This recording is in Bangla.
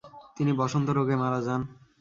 তিনি বসন্ত রোগে মারা যান।